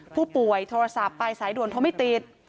ผู้ป่วยโทรศัพท์ไปสายด่วนเขาไม่ติด